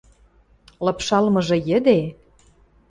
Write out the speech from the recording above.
Лыпшалмыжы йӹде: